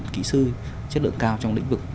kỹ sư chất lượng cao trong lĩnh vực